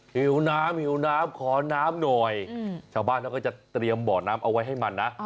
หิวน้ำหิวน้ำขอน้ำหน่อยชาวบ้านเขาก็จะเตรียมบ่อน้ำเอาไว้ให้มันนะ